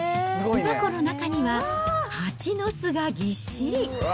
巣箱の中には、蜂の巣がぎっしり。